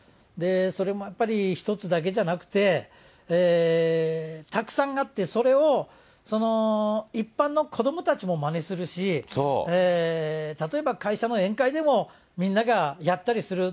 それもやっぱり一つだけじゃなくて、たくさんあって、それを一般の子どもたちもまねするし、例えば会社の宴会でも、みんながやったりする。